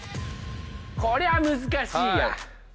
これは難しいや。